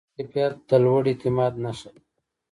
ښه کیفیت د لوړ اعتماد نښه ده.